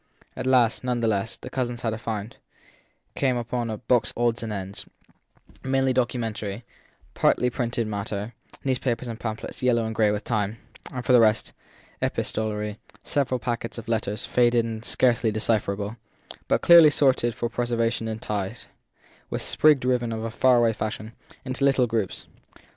At last, none the less, the cousins had a find, came upon a 248 THE THIRD PEKSON box of old odds and ends, mainly documentary; partly printed matter, newspapers and pamphlets yellow and grey with time, and, for the rest, epistolary several packets of letters, faded, scarce decipherable, but clearly sorted for preservation and tied, with sprigged ribbon of a far away fashion, into little groups.